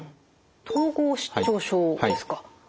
統合失調症ですか。